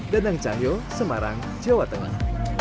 dan yang jahil semarang jawa tengah